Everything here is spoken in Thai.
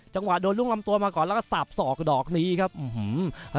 จังหวะโดนรุ่งลำตัวมาก่อนแล้วก็สาบศอกดอกนี้ครับอื้อหือ